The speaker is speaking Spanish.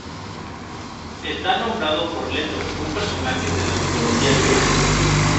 Está nombrado por Leto, un personaje de la mitología griega.